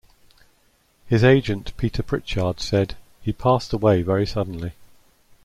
His agent Peter Prichard said: He passed away very suddenly.